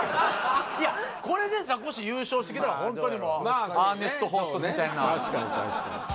いやこれでザコシ優勝してきたらホントにもうアーネスト・ホーストみたいなまあ